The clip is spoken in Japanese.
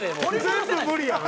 全部無理やん